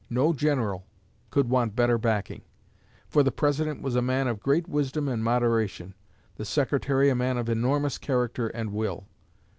No General could want better backing; for the President was a man of great wisdom and moderation, the Secretary a man of enormous character and will.